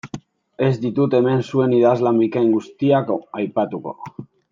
Ez ditut hemen zuen idazlan bikain guztiak aipatuko.